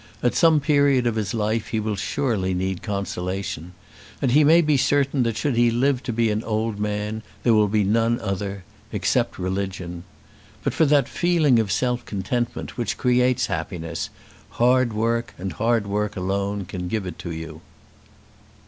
At some period of his life he will surely need consolation. And he may be certain that should he live to be an old man, there will be none other, except religion. But for that feeling of self contentment, which creates happiness hard work, and hard work alone, can give it to you."